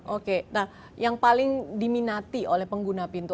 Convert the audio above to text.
jadi itu adalah yang paling diminati oleh pengguna pintu